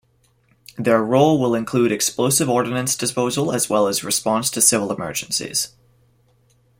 Their role will include explosive ordnance disposal as well as response to civil emergencies.